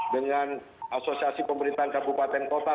dengan asosiasi pemerintahan kabupaten kota